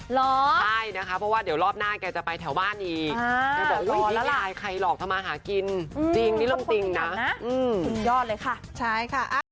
หรอใช่นะคะเพราะว่าเดี๋ยวรอบหน้าแกจะไปแถวบ้านอีกอ่าพอแล้วล่ะแกบอกอุ้ยนี่ไงใครหลอกเธอมาหากินจริงนี่เรื่องจริงนะคุณยอดเลยค่ะใช่ค่ะ